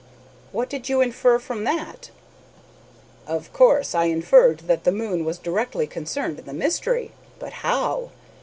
"What did you infer from that?" "Of course, I inferred that the moon was directly concerned in the mystery; but how?